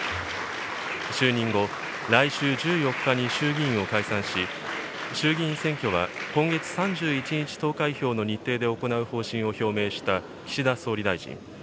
就任後、来週１４日に衆議院を解散し、衆議院選挙は今月３１日投開票の日程で行う方針を表明した岸田総理大臣。